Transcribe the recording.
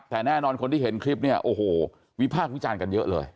แต่แน่นอนคนที่เห็นคลิปเนี่ยโอ้โหวิพากษ์วิจารณ์กันเยอะเลย